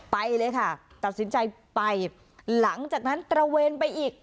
ไปเลยค่ะตัดสินใจไปหลังจากนั้นตระเวนไปอีก